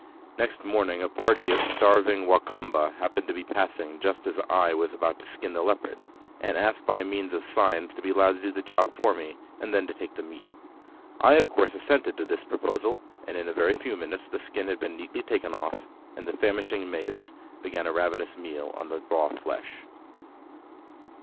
Next morning a party of starving Wa Kamba happened to be passing just as I was about to skin the leopard, and asked by means of signs to be allowed to do the job for me and then to take the meat. I of course assented to this proposal, and in a very few minutes the skin had been neatly taken off, and the famishing natives began a ravenous meal on the raw flesh.